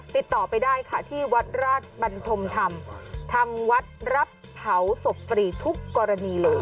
ติดต่อไปได้ค่ะที่วัดราชบันทมธรรมทางวัดรับเผาศพฟรีทุกกรณีเลย